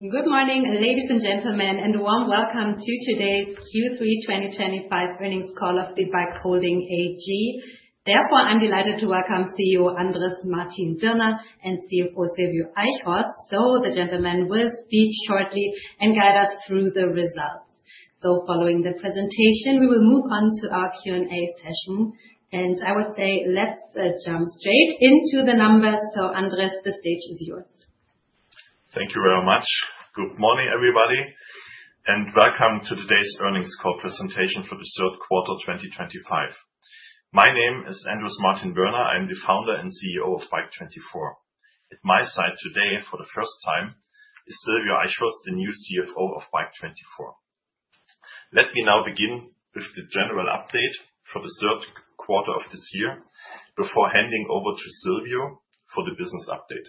Good morning, ladies and gentlemen, and a warm welcome to today's Q3 2025 earnings call of BIKE24 Holding AG. Therefore, I'm delighted to welcome CEO Andrés Martin-Birner and CFO Sylvio Eichhorst. The gentlemen will speak shortly and guide us through the results. Following the presentation, we will move on to our Q&A session. I would say, let's jump straight into the numbers. Andrés, the stage is yours. Thank you very much. Good morning, everybody, and welcome to today's earnings call presentation for the third quarter 2025. My name is Andrés Martin-Birner. I am the founder and CEO of BIKE24. At my side today, for the first time, is Sylvio Eichhorst, the new CFO of BIKE24. Let me now begin with the general update for the third quarter of this year before handing over to Sylvio for the business update.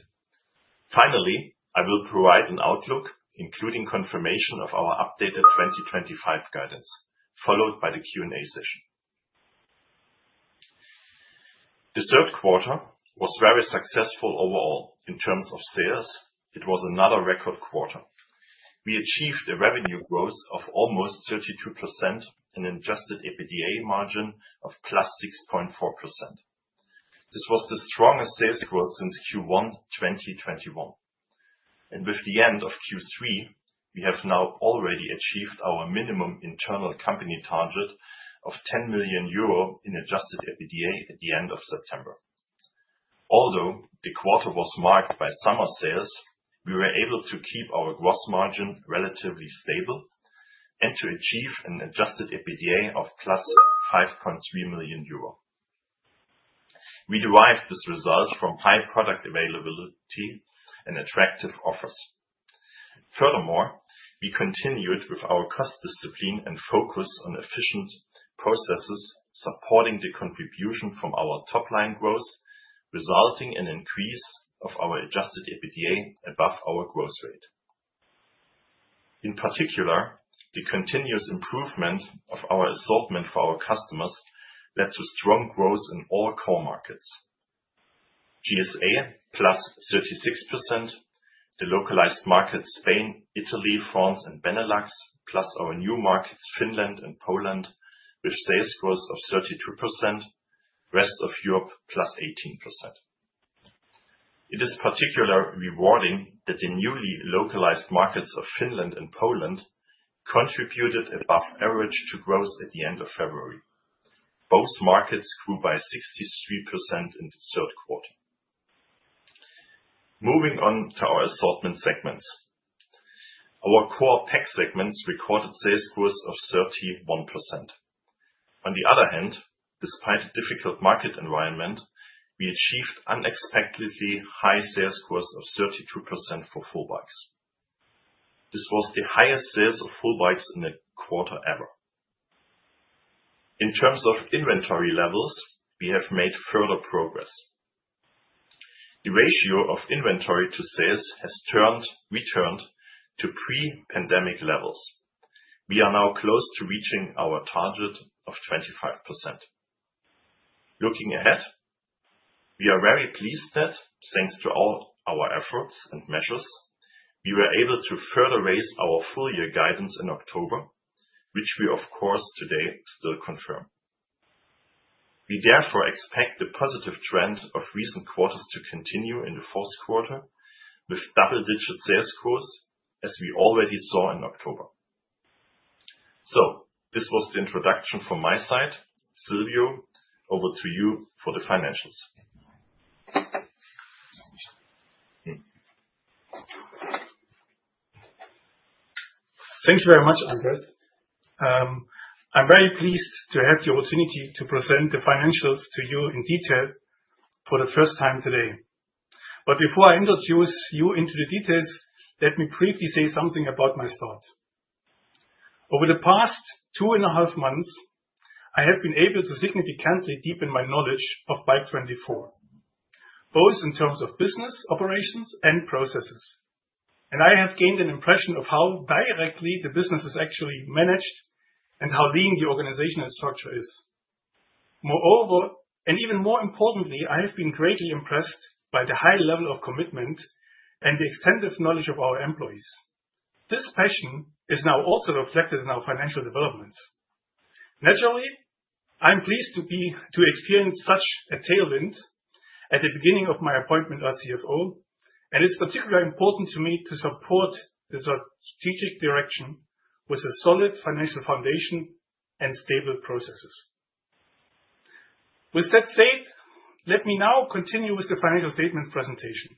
Finally, I will provide an outlook, including confirmation of our updated 2025 guidance, followed by the Q&A session. The third quarter was very successful overall. In terms of sales, it was another record quarter. We achieved a revenue growth of almost 32% and an adjusted EBITDA margin of plus 6.4%. This was the strongest sales growth since Q1 2021. With the end of Q3, we have now already achieved our minimum internal company target of 10 million euro in adjusted EBITDA at the end of September. Although the quarter was marked by summer sales, we were able to keep our gross margin relatively stable and to achieve an adjusted EBITDA of plus 5.3 million euro. We derived this result from high product availability and attractive offers. Furthermore, we continued with our cost discipline and focus on efficient processes supporting the contribution from our top-line growth, resulting in an increase of our adjusted EBITDA above our growth rate. In particular, the continuous improvement of our assortment for our customers led to strong growth in all core markets: GSA plus 36%, the localized markets Spain, Italy, France, and Benelux, plus our new markets Finland and Poland with sales growth of 32%, rest of Europe plus 18%. It is particularly rewarding that the newly localized markets of Finland and Poland contributed above average to growth at the end of February. Both markets grew by 63% in the third quarter. Moving on to our assortment segments, our core PAC segments recorded sales growth of 31%. On the other hand, despite a difficult market environment, we achieved unexpectedly high sales growth of 32% for full bikes. This was the highest sales of full bikes in a quarter ever. In terms of inventory levels, we have made further progress. The ratio of inventory to sales has returned to pre-pandemic levels. We are now close to reaching our target of 25%. Looking ahead, we are very pleased that, thanks to all our efforts and measures, we were able to further raise our full-year guidance in October, which we, of course, today still confirm. We therefore expect the positive trend of recent quarters to continue in the fourth quarter with double-digit sales growth, as we already saw in October. This was the introduction from my side. Sylvio, over to you for the financials. Thank you very much, Andrés. I'm very pleased to have the opportunity to present the financials to you in detail for the first time today. Before I introduce you into the details, let me briefly say something about my thoughts. Over the past two and a half months, I have been able to significantly deepen my knowledge of BIKE24, both in terms of business operations and processes, and I have gained an impression of how directly the business is actually managed and how lean the organizational structure is. Moreover, and even more importantly, I have been greatly impressed by the high level of commitment and the extensive knowledge of our employees. This passion is now also reflected in our financial developments. Naturally, I'm pleased to experience such a tailwind at the beginning of my appointment as CFO, and it's particularly important to me to support the strategic direction with a solid financial foundation and stable processes. With that said, let me now continue with the financial statements presentation.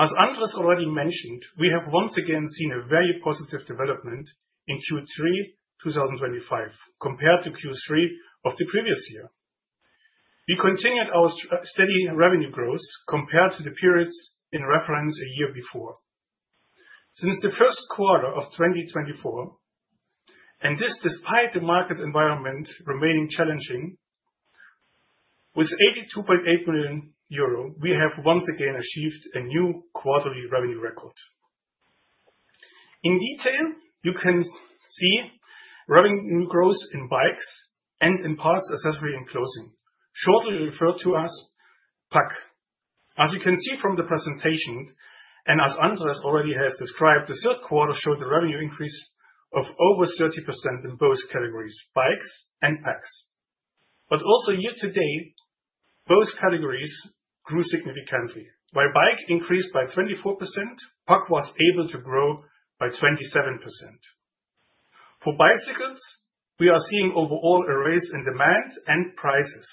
As Andrés already mentioned, we have once again seen a very positive development in Q3 2025 compared to Q3 of the previous year. We continued our steady revenue growth compared to the periods in reference a year before. Since the first quarter of 2024, and this despite the market environment remaining challenging, with 82.8 million euro, we have once again achieved a new quarterly revenue record. In detail, you can see revenue growth in bikes and in parts, accessories, and clothing, shortly referred to as PAC. As you can see from the presentation, and as Andrés already has described, the third quarter showed a revenue increase of over 30% in both categories, bikes and PACs. Also, year to date, both categories grew significantly. While bikes increased by 24%, PAC was able to grow by 27%. For bicycles, we are seeing overall a raise in demand and prices,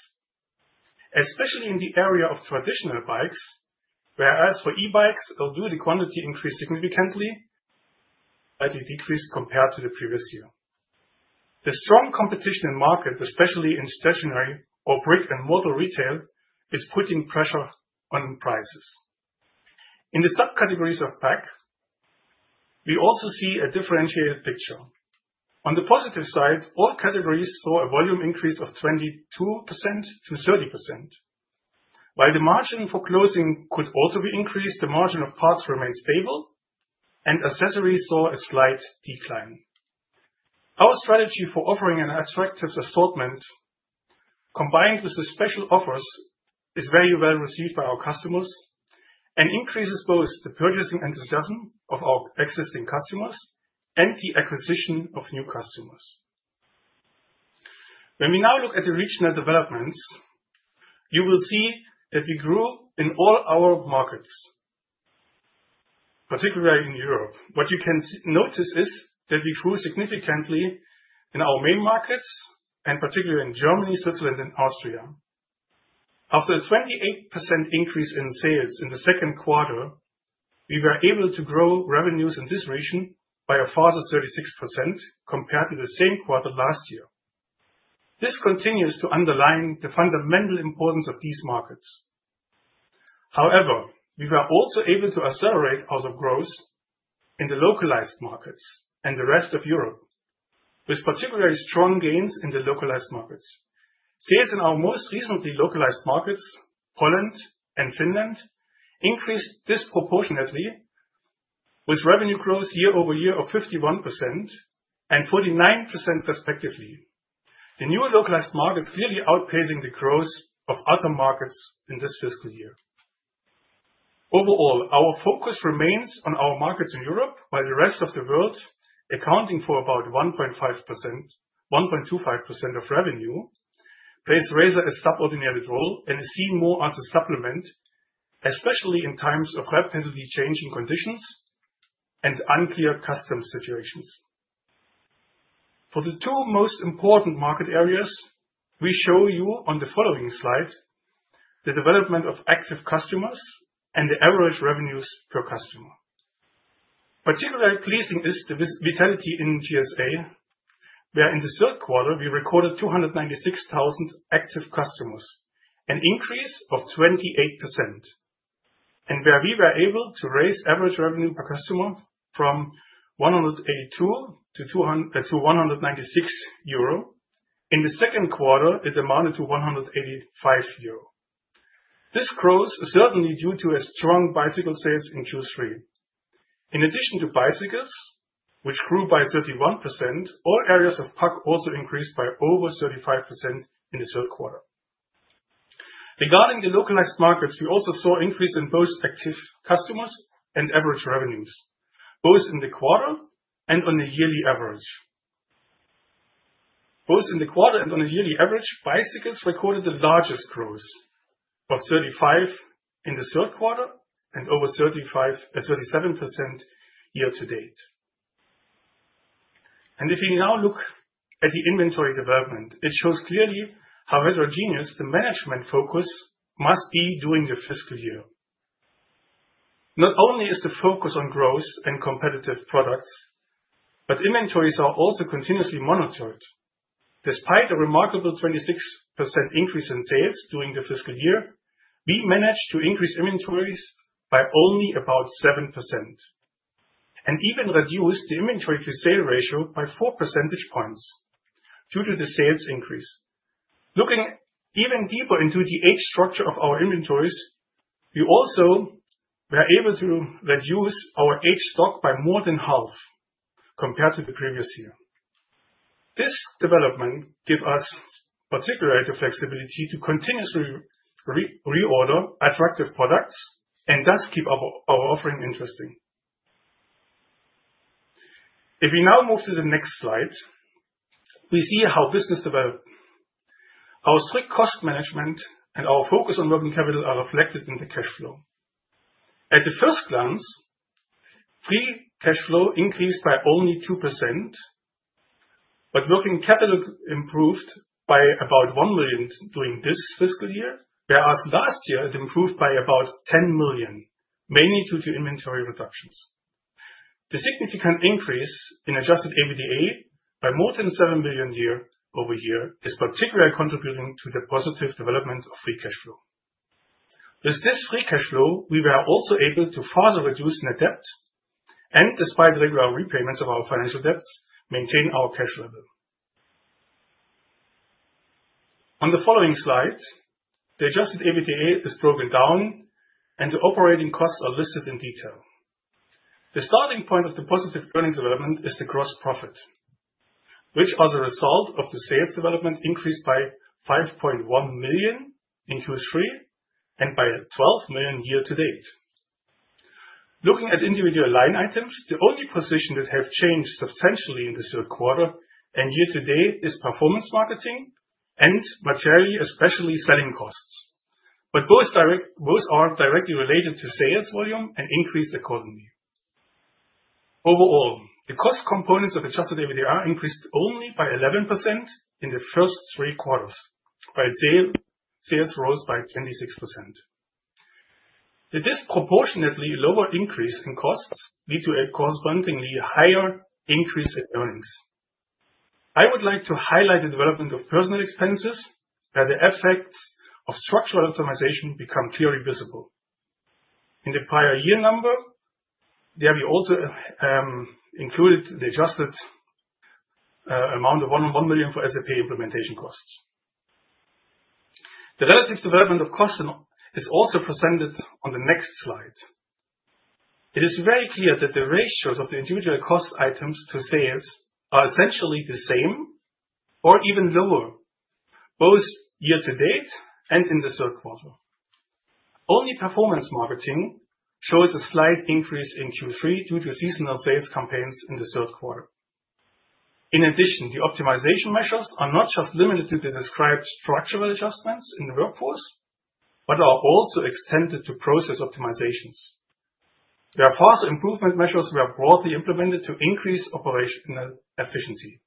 especially in the area of traditional bikes, whereas for e-bikes, although the quantity increased significantly, it decreased compared to the previous year. The strong competition in the market, especially in stationary or brick-and-mortar retail, is putting pressure on prices. In the subcategories of PAC, we also see a differentiated picture. On the positive side, all categories saw a volume increase of 22%-30%. While the margin for clothing could also be increased, the margin of parts remained stable, and accessories saw a slight decline. Our strategy for offering an attractive assortment, combined with the special offers, is very well received by our customers and increases both the purchasing enthusiasm of our existing customers and the acquisition of new customers. When we now look at the regional developments, you will see that we grew in all our markets, particularly in Europe. What you can notice is that we grew significantly in our main markets, and particularly in Germany, Switzerland, and Austria. After a 28% increase in sales in the second quarter, we were able to grow revenues in this region by a further 36% compared to the same quarter last year. This continues to underline the fundamental importance of these markets. However, we were also able to accelerate our growth in the localized markets and the rest of Europe, with particularly strong gains in the localized markets. Sales in our most recently localized markets, Poland and Finland, increased disproportionately, with revenue growth year over year of 51% and 49% respectively. The new localized markets clearly outpacing the growth of other markets in this fiscal year. Overall, our focus remains on our markets in Europe, while the rest of the world, accounting for about 1.25% of revenue, plays a rather subordinated role and is seen more as a supplement, especially in times of rapidly changing conditions and unclear customs situations. For the two most important market areas, we show you on the following slide the development of active customers and the average revenues per customer. Particularly pleasing is the vitality in GSA, where in the third quarter we recorded 296,000 active customers, an increase of 28%, and where we were able to raise average revenue per customer from 182 to 196 euro. In the second quarter, it amounted to 185 euro. This growth is certainly due to strong bicycle sales in Q3. In addition to bicycles, which grew by 31%, all areas of PAC also increased by over 35% in the third quarter. Regarding the localized markets, we also saw an increase in both active customers and average revenues, both in the quarter and on the yearly average. Both in the quarter and on the yearly average, bicycles recorded the largest growth of 35% in the third quarter and over 37% year to date. If we now look at the inventory development, it shows clearly how heterogeneous the management focus must be during the fiscal year. Not only is the focus on growth and competitive products, but inventories are also continuously monitored. Despite a remarkable 26% increase in sales during the fiscal year, we managed to increase inventories by only about 7% and even reduce the inventory-to-sales ratio by 4 percentage points due to the sales increase. Looking even deeper into the age structure of our inventories, we also were able to reduce our age stock by more than half compared to the previous year. This development gives us particularly the flexibility to continuously reorder attractive products and thus keep our offering interesting. If we now move to the next slide, we see how business developed. Our strict cost management and our focus on working capital are reflected in the cash flow. At first glance, free cash flow increased by only 2%, but working capital improved by about 1 million during this fiscal year, whereas last year it improved by about 10 million, mainly due to inventory reductions. The significant increase in adjusted EBITDA by more than 7 million year over year is particularly contributing to the positive development of free cash flow. With this free cash flow, we were also able to further reduce net debt and, despite regular repayments of our financial debts, maintain our cash level. On the following slide, the adjusted EBITDA is broken down, and the operating costs are listed in detail. The starting point of the positive earnings development is the gross profit, which is a result of the sales development increased by 5.1 million in Q3 and by 12 million year to date. Looking at individual line items, the only position that has changed substantially in the third quarter and year to date is performance marketing and materially, especially selling costs. Both are directly related to sales volume and increased accordingly. Overall, the cost components of adjusted EBITDA increased only by 11% in the first three quarters, while sales rose by 26%. The disproportionately lower increase in costs led to a correspondingly higher increase in earnings. I would like to highlight the development of personnel expenses, where the effects of structural optimization become clearly visible. In the prior year number, there we also included the adjusted amount of 1 million for SAP implementation costs. The relative development of costs is also presented on the next slide. It is very clear that the ratios of the individual cost items to sales are essentially the same or even lower, both year to date and in the third quarter. Only performance marketing shows a slight increase in Q3 due to seasonal sales campaigns in the third quarter. In addition, the optimization measures are not just limited to the described structural adjustments in the workforce, but are also extended to process optimizations. There are further improvement measures that were broadly implemented to increase operational efficiency.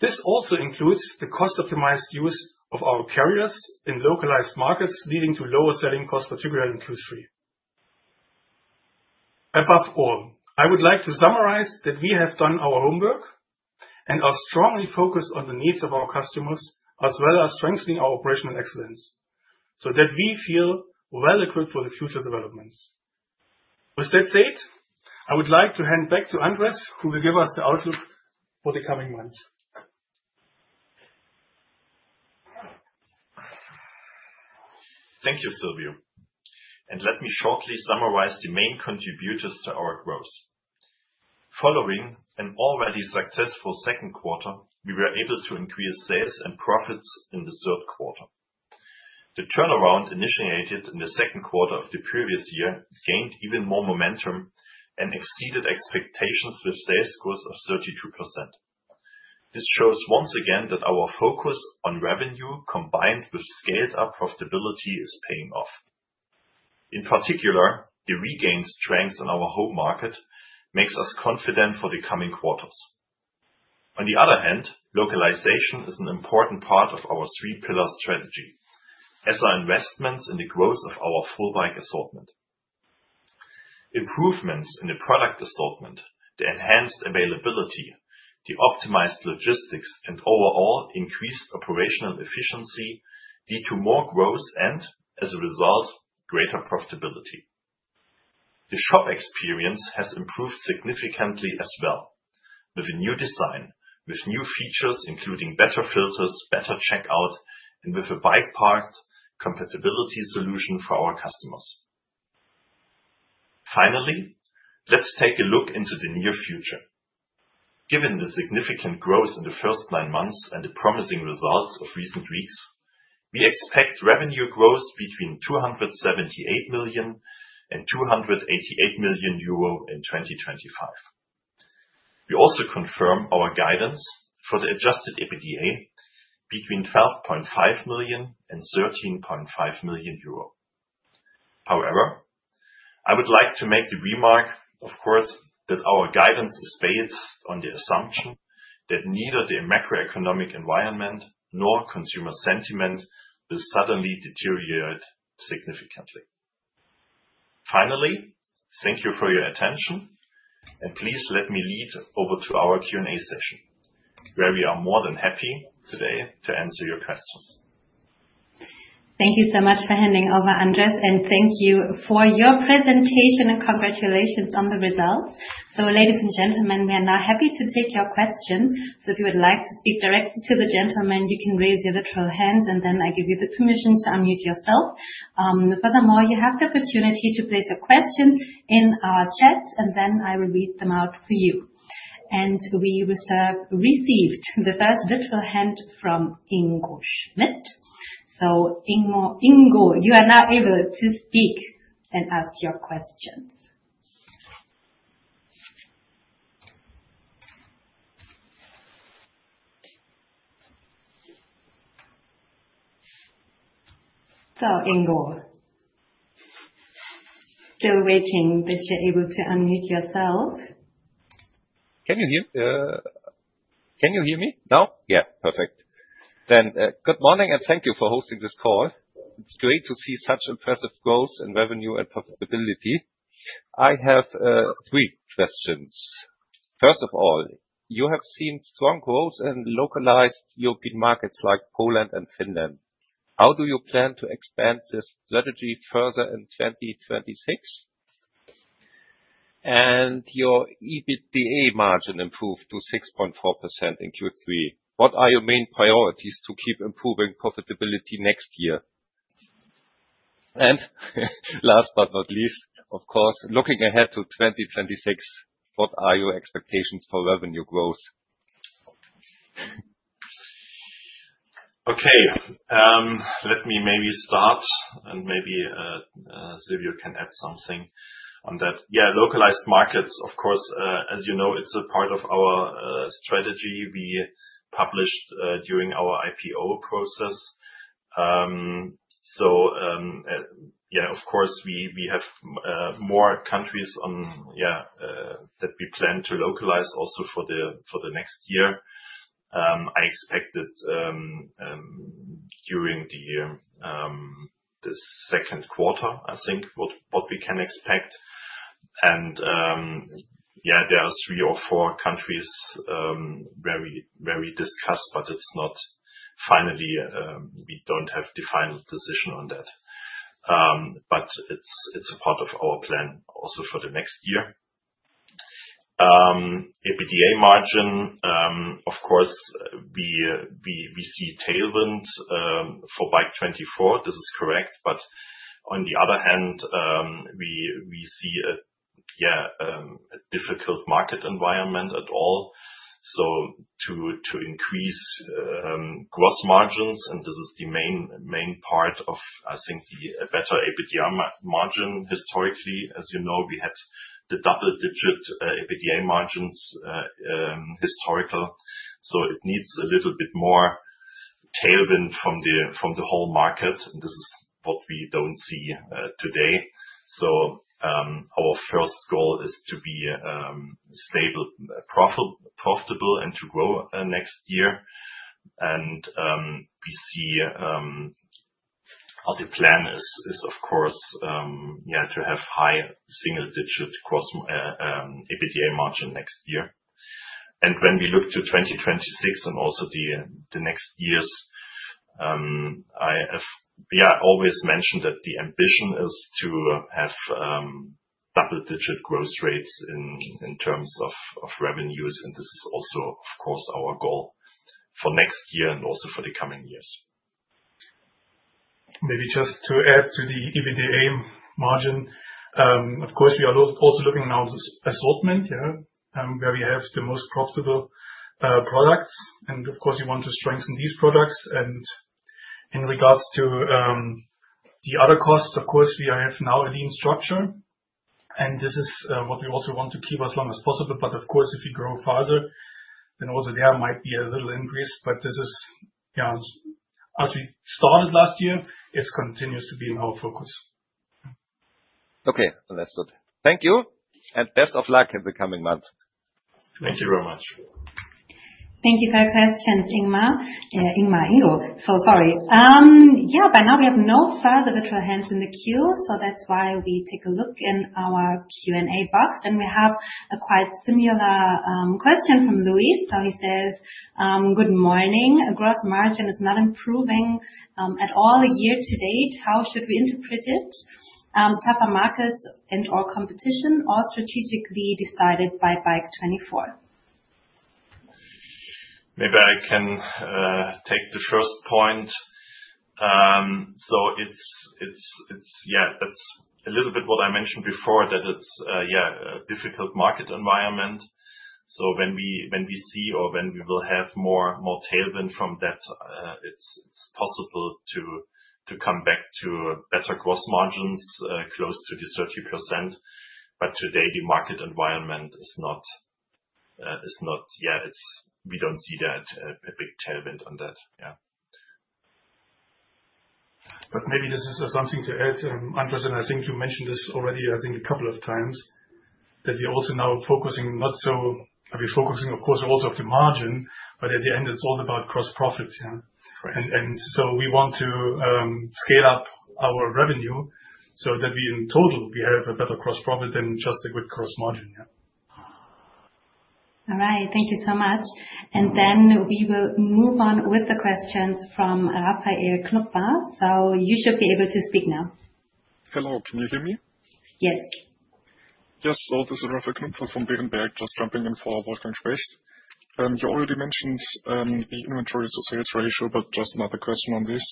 This also includes the cost-optimized use of our carriers in localized markets, leading to lower selling costs, particularly in Q3. Above all, I would like to summarize that we have done our homework and are strongly focused on the needs of our customers, as well as strengthening our operational excellence, so that we feel well equipped for the future developments. With that said, I would like to hand back to Andrés, who will give us the outlook for the coming months. Thank you, Sylvio. Let me shortly summarize the main contributors to our growth. Following an already successful second quarter, we were able to increase sales and profits in the third quarter. The turnaround initiated in the second quarter of the previous year gained even more momentum and exceeded expectations with sales growth of 32%. This shows once again that our focus on revenue combined with scaled-up profitability is paying off. In particular, the regained strength in our home market makes us confident for the coming quarters. On the other hand, localization is an important part of our three-pillar strategy, as are investments in the growth of our full bike assortment. Improvements in the product assortment, the enhanced availability, the optimized logistics, and overall increased operational efficiency lead to more growth and, as a result, greater profitability. The shop experience has improved significantly as well, with a new design, with new features including better filters, better checkout, and with a bike-parked compatibility solution for our customers. Finally, let's take a look into the near future. Given the significant growth in the first nine months and the promising results of recent weeks, we expect revenue growth between 278 million and 288 million euro in 2025. We also confirm our guidance for the adjusted EBITDA between 12.5 million and 13.5 million euro. However, I would like to make the remark, of course, that our guidance is based on the assumption that neither the macroeconomic environment nor consumer sentiment will suddenly deteriorate significantly. Finally, thank you for your attention, and please let me lead over to our Q&A session, where we are more than happy today to answer your questions. Thank you so much for handing over, Andrés, and thank you for your presentation and congratulations on the results. Ladies and gentlemen, we are now happy to take your questions. If you would like to speak directly to the gentlemen, you can raise your literal hands, and then I give you the permission to unmute yourself. Furthermore, you have the opportunity to place your questions in our chat, and then I will read them out for you. We received the first literal hand from Ingo Schmidt. Ingo, you are now able to speak and ask your questions. Ingo, still waiting that you're able to unmute yourself. Can you hear me now? Yeah, perfect. Good morning and thank you for hosting this call. It's great to see such impressive growth in revenue and profitability. I have three questions. First of all, you have seen strong growth in localized European markets like Poland and Finland. How do you plan to expand this strategy further in 2026? Your EBITDA margin improved to 6.4% in Q3. What are your main priorities to keep improving profitability next year? Last but not least, of course, looking ahead to 2026, what are your expectations for revenue growth? Okay, let me maybe start, and maybe Sylvio can add something on that. Yeah, localized markets, of course, as you know, it's a part of our strategy we published during our IPO process. Yeah, of course, we have more countries that we plan to localize also for the next year. I expect it during the second quarter, I think, what we can expect. Yeah, there are three or four countries where we discussed, but it's not finally we don't have the final decision on that. It is a part of our plan also for the next year. EBITDA margin, of course, we see tailwind for BIKE24. This is correct. On the other hand, we see a difficult market environment at all. To increase gross margins, and this is the main part of, I think, the better EBITDA margin historically. As you know, we had the double-digit EBITDA margins historical. It needs a little bit more tailwind from the whole market. This is what we do not see today. Our first goal is to be stable, profitable, and to grow next year. We see our plan is, of course, to have high single-digit gross EBITDA margin next year. When we look to 2026 and also the next years, I always mention that the ambition is to have double-digit growth rates in terms of revenues. This is also, of course, our goal for next year and also for the coming years. Maybe just to add to the EBITDA margin, of course, we are also looking now to assortment, where we have the most profitable products. Of course, we want to strengthen these products. In regards to the other costs, of course, we have now a lean structure. This is what we also want to keep as long as possible. Of course, if we grow further, then also there might be a little increase. This is, yeah, as we started last year, it continues to be in our focus. Okay, understood. Thank you. Best of luck in the coming months. Thank you very much. Thank you for your questions, Ingo. Sorry. By now, we have no further literal hands in the queue. That is why we take a look in our Q&A box. We have a quite similar question from Luis. He says, "Good morning. Gross margin is not improving at all year to date. How should we interpret it? Tougher markets and/or competition or strategically decided by BIKE24. Maybe I can take the first point. Yeah, that's a little bit what I mentioned before, that it's a difficult market environment. When we see or when we will have more tailwind from that, it's possible to come back to better gross margins close to the 30%. Today, the market environment is not, yeah, we don't see that big tailwind on that. Yeah. Maybe this is something to add, Andrés, and I think you mentioned this already, I think, a couple of times, that we're also now focusing, not so we're focusing, of course, also on the margin, but at the end, it's all about gross profit. We want to scale up our revenue so that in total, we have a better gross profit than just a good gross margin. All right, thank you so much. We will move on with the questions from Raphael Knopfler. You should be able to speak now. Hello, can you hear me? Yes. Yes, this is Raphael Knopfler from Birnberg, just jumping in for Wolfgang Specht. You already mentioned the inventory to sales ratio, but just another question on this.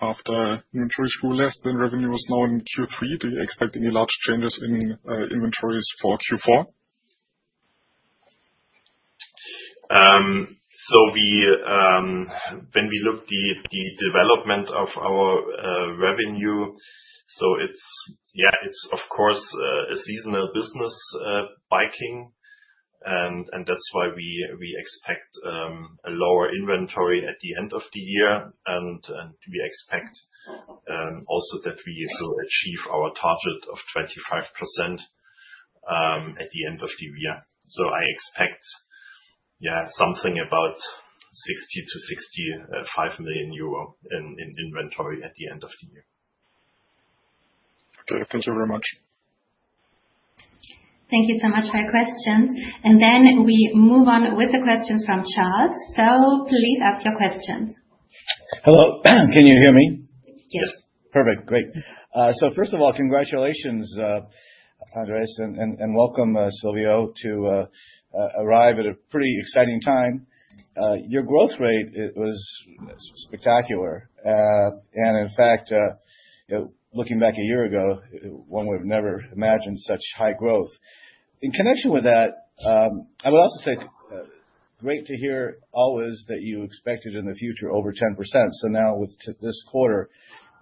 After inventory grew less than revenue was known in Q3, do you expect any large changes in inventories for Q4? When we look at the development of our revenue, yeah, it's, of course, a seasonal business biking. That's why we expect a lower inventory at the end of the year. We expect also that we will achieve our target of 25% at the end of the year. I expect, yeah, something about 60 million-65 million euro in inventory at the end of the year. Okay, thank you very much. Thank you so much for your questions. We move on with the questions from Charles. Please ask your questions. Hello, can you hear me? Yes. Perfect, great. First of all, congratulations, Andrés, and welcome, Sylvio, to arrive at a pretty exciting time. Your growth rate was spectacular. In fact, looking back a year ago, one would have never imagined such high growth. In connection with that, I would also say great to hear always that you expected in the future over 10%. Now with this quarter,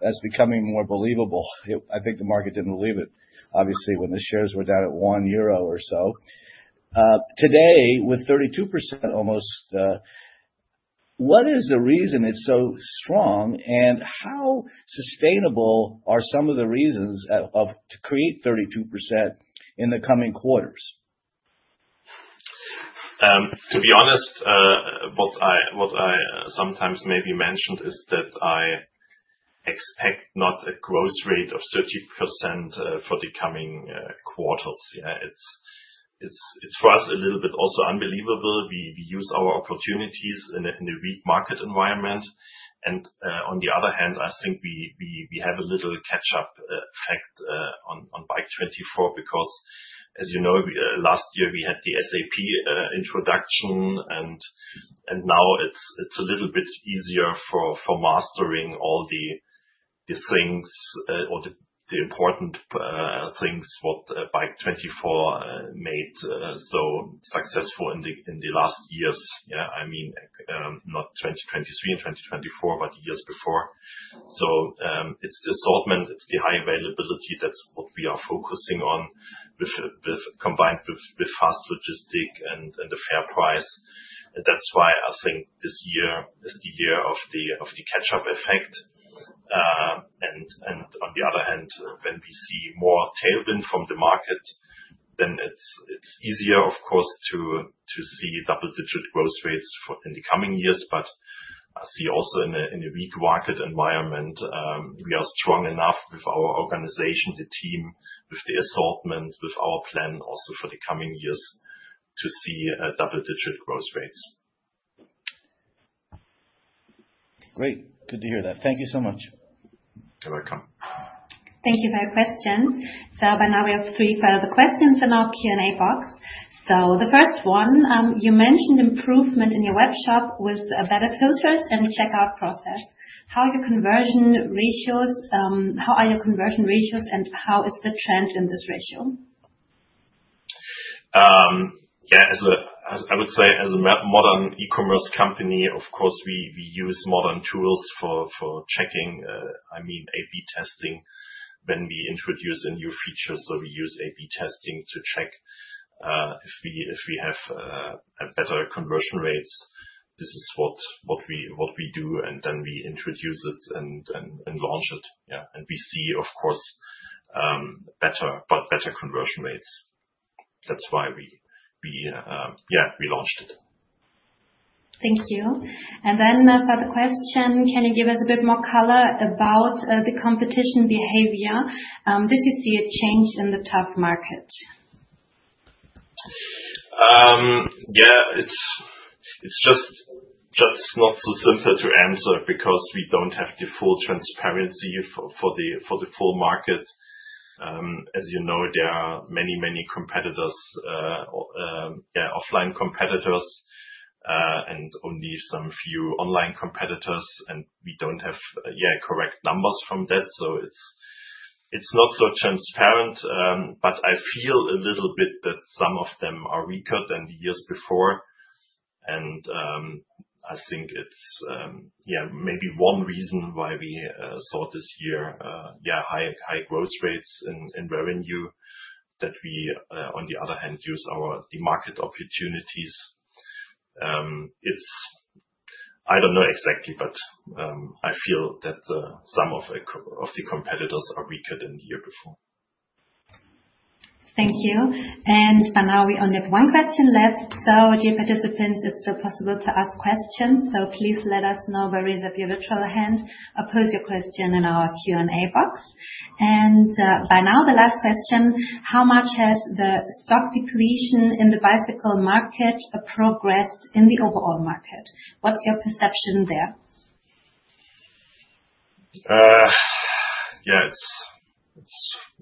that is becoming more believable. I think the market did not believe it, obviously, when the shares were down at 1 euro or so. Today, with 32% almost, what is the reason it is so strong? How sustainable are some of the reasons to create 32% in the coming quarters? To be honest, what I sometimes maybe mentioned is that I expect not a growth rate of 30% for the coming quarters. Yeah, it's for us a little bit also unbelievable. We use our opportunities in the weak market environment. On the other hand, I think we have a little catch-up effect on BIKE24 because, as you know, last year, we had the SAP introduction. Now, it's a little bit easier for mastering all the things or the important things what BIKE24 made so successful in the last years. Yeah, I mean, not 2023 and 2024, but years before. It's the assortment, it's the high availability. That's what we are focusing on, combined with fast logistic and the fair price. That's why I think this year is the year of the catch-up effect. On the other hand, when we see more tailwind from the market, it is easier, of course, to see double-digit growth rates in the coming years. I see also in a weak market environment, we are strong enough with our organization, the team, with the assortment, with our plan also for the coming years to see double-digit growth rates. Great, good to hear that. Thank you so much. You're welcome. Thank you for your questions. By now, we have three further questions in our Q&A box. The first one, you mentioned improvement in your web shop with better filters and checkout process. How are your conversion ratios? How are your conversion ratios? And how is the trend in this ratio? Yeah, I would say as a modern e-commerce company, of course, we use modern tools for checking, I mean, A/B testing when we introduce a new feature. We use A/B testing to check if we have better conversion rates. This is what we do. We introduce it and launch it. Yeah, we see, of course, better, but better conversion rates. That's why we, yeah, we launched it. Thank you. For the question, can you give us a bit more color about the competition behavior? Did you see a change in the tough market? Yeah, it's just not so simple to answer because we don't have the full transparency for the full market. As you know, there are many, many competitors, offline competitors, and only some few online competitors. We don't have, yeah, correct numbers from that. It's not so transparent. I feel a little bit that some of them are weaker than the years before. I think it's, yeah, maybe one reason why we saw this year, yeah, high growth rates in revenue that we, on the other hand, use our market opportunities. I don't know exactly, but I feel that some of the competitors are weaker than the year before. Thank you. By now, we only have one question left. Dear participants, it is still possible to ask questions. Please let us know, whether it is by your literal hand or pose your question in our Q&A box. By now, the last question, how much has the stock depletion in the bicycle market progressed in the overall market? What is your perception there? Yeah, it's,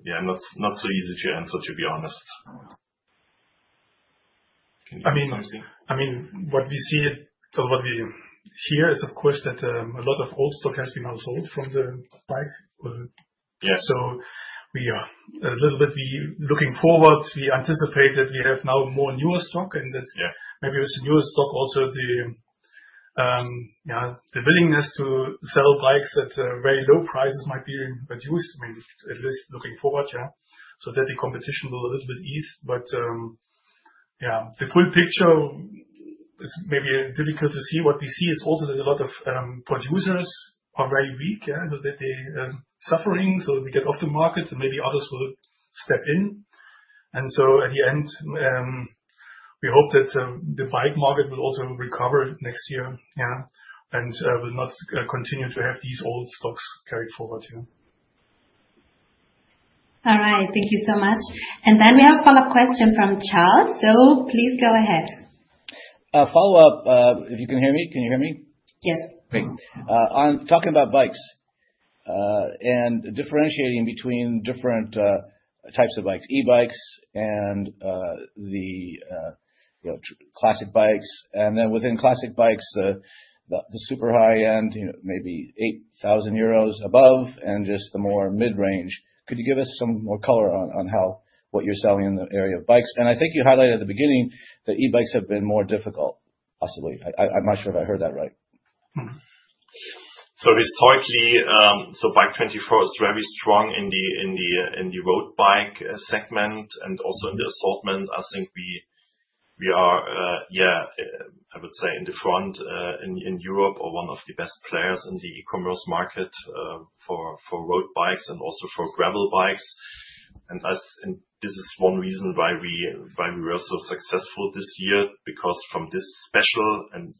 yeah, not so easy to answer, to be honest. Can you do something? I mean, what we see or what we hear is, of course, that a lot of old stock has been also sold from the bike. We are a little bit looking forward. We anticipate that we have now more newer stock. Maybe with the newer stock, also the willingness to sell bikes at very low prices might be reduced, at least looking forward, yeah, so that the competition will a little bit ease. The full picture is maybe difficult to see. What we see is also that a lot of producers are very weak, yeah, so they're suffering. They get off the market, and maybe others will step in. At the end, we hope that the bike market will also recover next year, yeah, and will not continue to have these old stocks carried forward. All right, thank you so much. We have a follow-up question from Charles. Please go ahead. Follow-up, if you can hear me, can you hear me? Yes. Great. I'm talking about bikes and differentiating between different types of bikes, e-bikes and the classic bikes. Then within classic bikes, the super high-end, maybe 8,000 euros above, and just the more mid-range. Could you give us some more color on what you're selling in the area of bikes? I think you highlighted at the beginning that e-bikes have been more difficult, possibly. I'm not sure if I heard that right. Historically, BIKE24 is very strong in the road bike segment and also in the assortment. I think we are, yeah, I would say in the front in Europe or one of the best players in the e-commerce market for road bikes and also for gravel bikes. This is one reason why we were so successful this year because from this special, and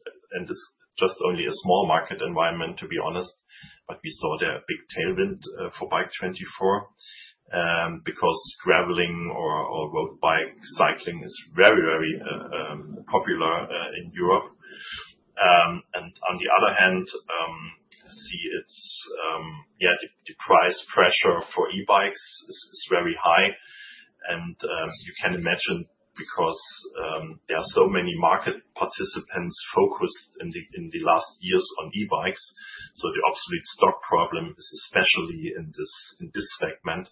this is just only a small market environment, to be honest, but we saw the big tailwind for BIKE24 because graveling or road bike cycling is very, very popular in Europe. On the other hand, I see it's, yeah, the price pressure for e-bikes is very high. You can imagine because there are so many market participants focused in the last years on e-bikes. The obsolete stock problem is especially in this segment.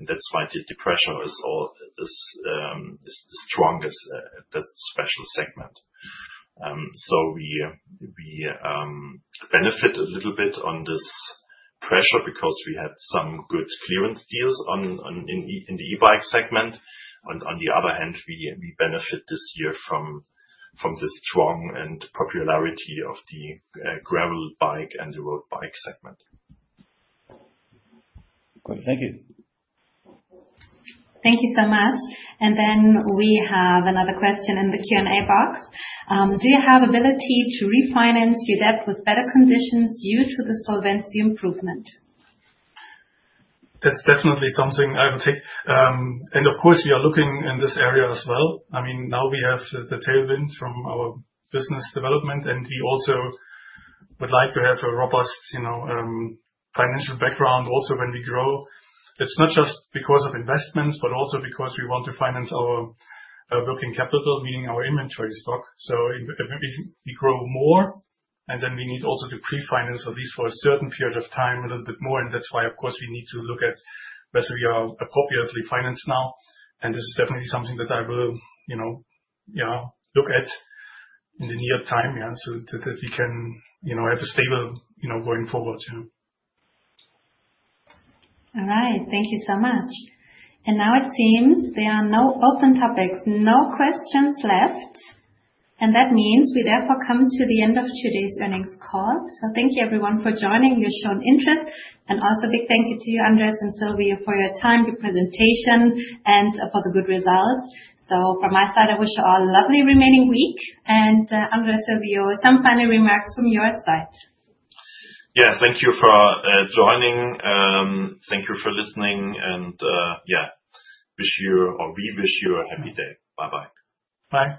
That is why the pressure is strongest in that special segment. We benefit a little bit on this pressure because we had some good clearance deals in the e-bike segment. On the other hand, we benefit this year from the strong popularity of the gravel bike and the road bike segment. Great, thank you. Thank you so much. We have another question in the Q&A box. Do you have the ability to refinance your debt with better conditions due to the solvency improvement? That's definitely something I would take. Of course, we are looking in this area as well. I mean, now we have the tailwind from our business development, and we also would like to have a robust financial background also when we grow. It's not just because of investments, but also because we want to finance our working capital, meaning our inventory stock. If we grow more, then we need also to pre-finance at least for a certain period of time a little bit more. That's why, of course, we need to look at whether we are appropriately financed now. This is definitely something that I will, yeah, look at in the near time, yeah, so that we can have a stable going forward. All right, thank you so much. It seems there are no open topics, no questions left. That means we therefore come to the end of today's earnings call. Thank you everyone for joining. You've shown interest. Also, a big thank you to you, Andrés and Sylvio, for your time, your presentation, and for the good results. From my side, I wish you all a lovely remaining week. Andrés, Sylvio, some final remarks from your side. Yeah, thank you for joining. Thank you for listening. Yeah, wish you, or we wish you a happy day. Bye-bye. Bye.